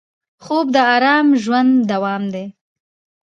خوب د ارام ژوند دوام دی